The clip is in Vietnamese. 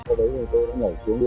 ở đấy thì tôi đã ngồi xuống đưa